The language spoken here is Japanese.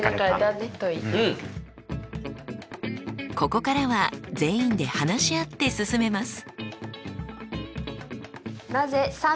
ここからは全員で話し合って進めます。